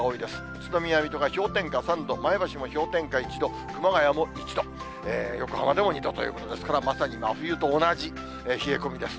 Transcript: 宇都宮、水戸が氷点下３度、前橋も氷点下１度、熊谷も１度、横浜でも２度ということですから、まさに真冬と同じ冷え込みです。